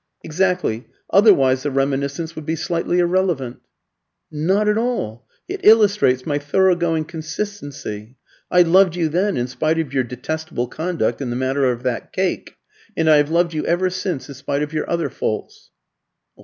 "Exactly, otherwise the reminiscence would be slightly irrelevant." "Not at all. It illustrates my thorough going consistency. I loved you then, in spite of your detestable conduct in the matter of that cake, and I have loved you ever since in spite of your other faults."